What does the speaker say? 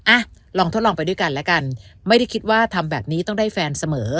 อ่ะลองทดลองไปด้วยกันแล้วกันไม่ได้คิดว่าทำแบบนี้ต้องได้แฟนเสมอ